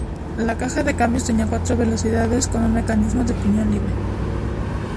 La caja de cambios tenía cuatro velocidades, con un mecanismo de piñón libre.